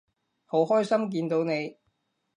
好開心見到你